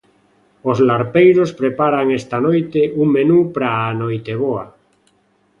Os larpeiros preparan esta noite un menú para a Noiteboa.